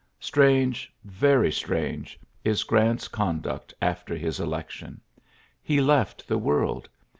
Strange, very strange, is Grant's con duct after his election. He left the world.